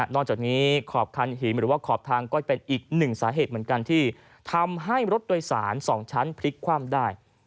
นอกจากนี้ขอบทางหิมก็เป็นอีกหนึ่งสาเหตุที่ทำให้รถโดยสารสองชั้นพลิกความได้